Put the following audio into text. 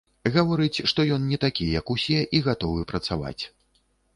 Гаворыць, што ён не такі, як усе і гатовы працаваць.